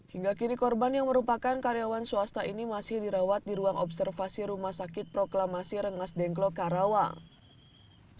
hingga kini korban yang merupakan karyawan swasta ini masih dirawat di ruang observasi rumah sakit proklamasi rengas dengklok karawang